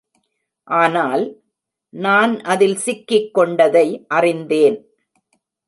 ஆனால், நான் அதில் சிக்கிக் கொண்டதை அறிந்தேன்.